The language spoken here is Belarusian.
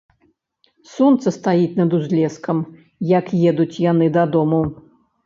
Сонца стаіць над узлескам, як едуць яны дадому.